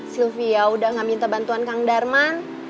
sylvia udah gak minta bantuan kang darman